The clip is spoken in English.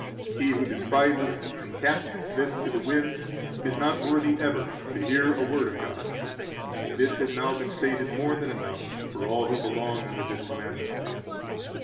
He who despises and casts this to the winds is not worthy ever to hear a word of God. This has now been stated more than enough for all who belong under this commandment.